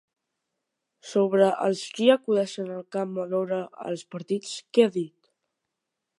Sobre els qui acudeixen al camp a veure els partits, què ha dit?